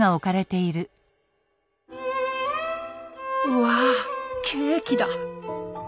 うわケーキだ。